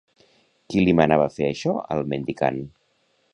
Qui li manava fer això al mendicant?